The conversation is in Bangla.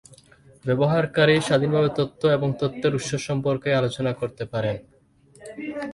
ব্যবহারকারী স্বাধীনভাবে তথ্য এবং তথ্যের উৎস সম্পর্কে আলোচনা করতে পারেন।